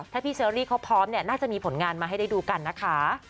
ถ้าพี่เชอรี่เขาพร้อมเนี่ยน่าจะมีผลงานมาให้ได้ดูกันนะคะ